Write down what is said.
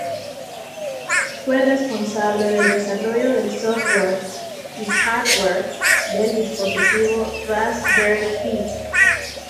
Fue el responsable del desarrollo del software y hardware del dispositivo Raspberry Pi.